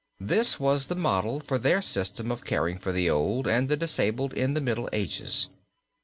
This was the model of their system of caring for the old and the disabled in the Middle Ages.